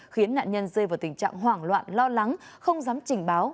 khiến nạn nhân rơi vào tình trạng hoảng loạn lo lắng không dám trình báo